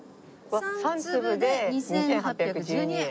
３粒で２８１２円。